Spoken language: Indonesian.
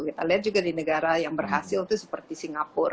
kita lihat juga di negara yang berhasil itu seperti singapura